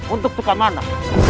untuk suka mana